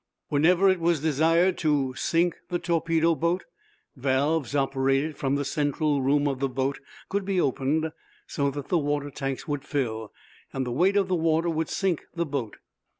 Whenever it was desired to sink the torpedo boat, valves operated from the central room of the boat could be opened so that the water tanks would fill, and the weight of the water would sink the boat.